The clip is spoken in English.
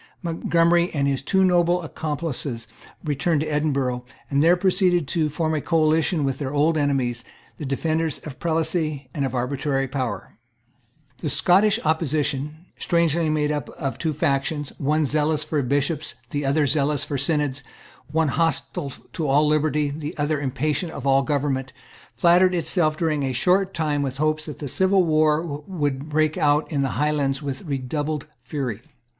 Montgomery and his two noble accomplices returned to Edinburgh, and there proceeded to form a coalition with their old enemies, the defenders of prelacy and of arbitrary power, The Scottish opposition, strangely made up of two factions, one zealous for bishops, the other zealous for synods, one hostile to all liberty, the other impatient of all government, flattered itself during a short time with hopes that the civil war would break out in the Highlands with redoubled fury.